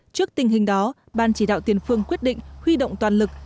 trước tình hình đó ban chỉ đạo tiền phương quyết định huy động toàn lực